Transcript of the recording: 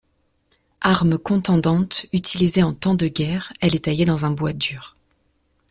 Arme contondante, utilisée en temps de guerre, elle est taillée dans un bois dur.